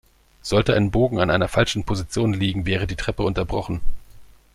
Sollte ein Bogen an einer falschen Position liegen, wäre die Treppe unterbrochen.